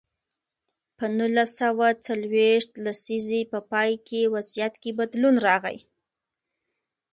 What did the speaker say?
په نولس سوه څلویښت لسیزې په پای کې وضعیت کې بدلون راغی.